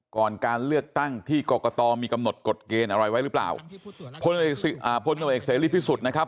ก่อนการเลือกตั้งที่กรกฏอมีกำหนดกฎเกณฑ์อะไรไว้หรือเปล่าอ่าพ่อเนวเอกเสร็จรีบที่สุดนะครับ